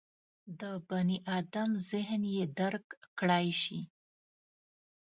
د بني ادم ذهن یې درک کړای شي.